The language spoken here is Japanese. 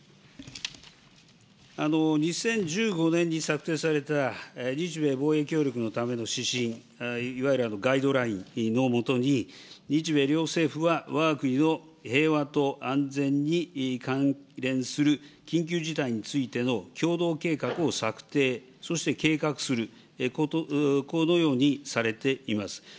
２０１５年に策定された日米防衛協力のための指針、いわゆるガイドラインのもとに、日米両政府はわが国の平和と安全に関連する緊急事態についての共同計画を策定、そして計画する、このようにされています。